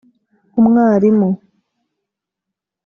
umwarimu